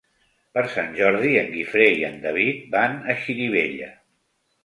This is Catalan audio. Per Sant Jordi en Guifré i en David van a Xirivella.